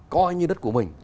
coi như đất của mình